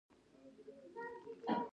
د مادې درې حالتونه جامد مايع ګاز.